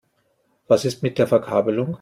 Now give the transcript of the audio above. Was ist mit der Verkabelung?